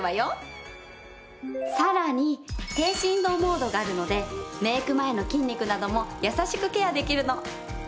さらに低振動モードがあるのでメイク前の筋肉なども優しくケアできるの。